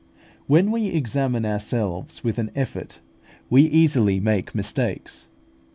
When we examine ourselves with an effort, we easily make mistakes.